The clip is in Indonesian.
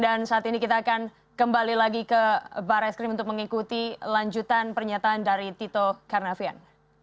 saat ini kita akan kembali lagi ke barreskrim untuk mengikuti lanjutan pernyataan dari tito karnavian